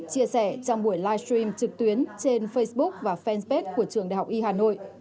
chia sẻ trong buổi live stream trực tuyến trên facebook và fanpage của trường đại học y hà nội